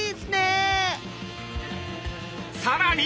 さらに！